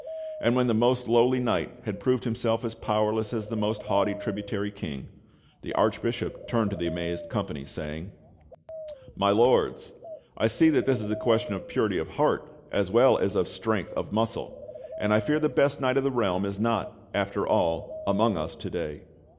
And when the most lowly knight had proved himself as powerless as the most haughty tributary king, the Archbishop turned to the amazed company, saying: "My Lords, I see that this is a question of purity of heart as well as of strength of muscle, and I fear the best knight of the realm is not, after all, among us to day.